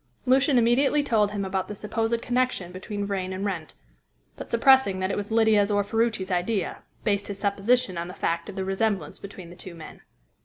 Lucian immediately told about the supposed connection between Vrain and Wrent, but, suppressing that it was Lydia's or Ferruci's idea, based his supposition on the fact of the resemblance between the two men.